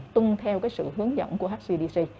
tung theo cái sự hướng dẫn của hcdc